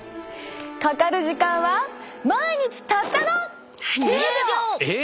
かかる時間は毎日たったのえっ！